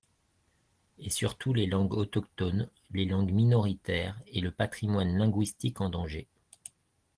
Et surtout les langues autochtones, les langues minoritaires et le patrimoine linguistique en danger.